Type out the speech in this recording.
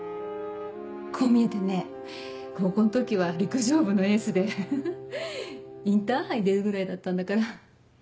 こう見えてね高校の時は陸上部のエースでインターハイに出るぐらいだったんだから。